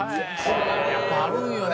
やっぱあるんよね。